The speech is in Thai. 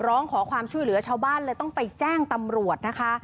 ร้องขอความช่วยเหลือชาวบ้านเลยต้องไปแจ้งตำรวจนะคะ